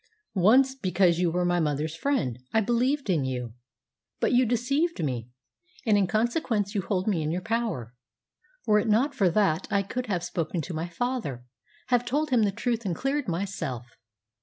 "Once, because you were my mother's friend, I believed in you. But you deceived me, and in consequence you hold me in your power. Were it not for that I could have spoken to my father have told him the truth and cleared myself.